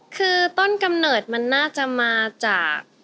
คือต้นกำเนิดมันน่าจะมาจาก